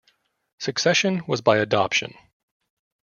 Succession was by adoption.